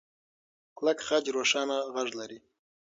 کلک خج روښانه غږ لري.